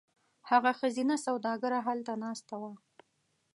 هغه ښځینه سوداګره هلته ناسته وه.